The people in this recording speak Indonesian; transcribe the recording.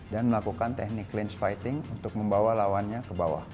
dan melakukan teknik clinch fighting untuk membawa lawannya ke bawah